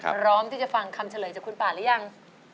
พร้อมที่จะฟังคำเฉลยจากคุณป่าหรือยัง